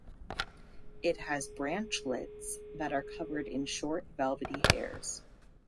It has branchlets that are covered in short velvety hairs.